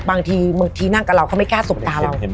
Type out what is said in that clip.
บางทีบางทีนั่งกับเราเขาไม่กล้าสบตาเรา